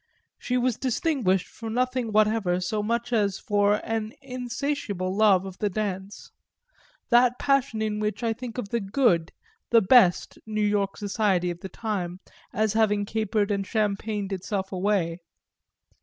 She was distinguished for nothing whatever so much as for an insatiable love of the dance; that passion in which I think of the "good," the best, New York society of the time as having capered and champagned itself away.